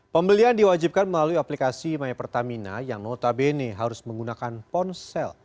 pembelian diwajibkan melalui aplikasi mypertamina yang notabene harus menggunakan ponsel